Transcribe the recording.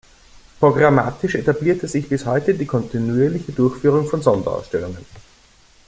Programmatisch etablierte sich bis heute die kontinuierliche Durchführung von Sonderausstellungen.